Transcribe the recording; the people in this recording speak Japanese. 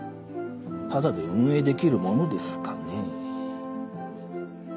タダで運営できるものですかねぇ。